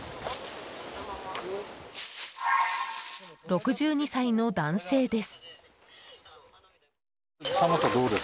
６２歳の男性です。